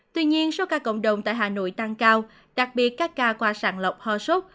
tuy nhiên số ca cộng đồng tại hà nội tăng cao đặc biệt các ca qua sàng lọc ho sốt